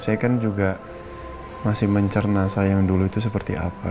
saya kan juga masih mencerna saya yang dulu itu seperti apa